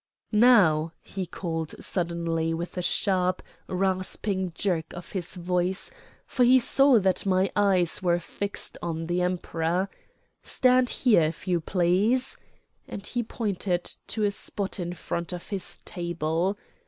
"Now," he called suddenly, with a sharp, rasping jerk of his voice, for he saw that my eyes were fixed on the Emperor, "stand here, if you please," and he pointed to a spot in front of his table.